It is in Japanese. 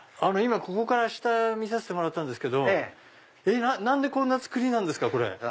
今ここから下見させてもらったんですけど何でこんな造りなんですか？